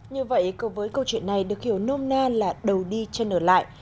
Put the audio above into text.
như vậy với câu chuyện này được hiểu nôm na là đầu đi chân ở lại